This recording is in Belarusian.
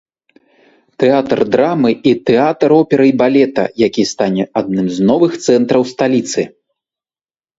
Тэатр драмы і тэатр оперы і балета, які стане адным з новых цэнтраў сталіцы!